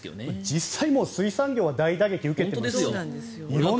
実際、水産業は大打撃を受けてますから。